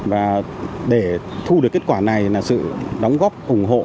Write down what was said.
và để thu được kết quả này là sự đóng góp ủng hộ